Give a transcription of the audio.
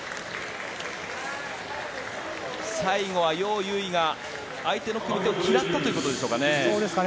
最後はヨウ・ユウイが相手の組み手を嫌ったということですかね。